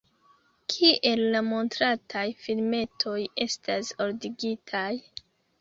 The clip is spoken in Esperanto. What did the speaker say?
Kiel la montrataj filmetoj estas ordigitaj?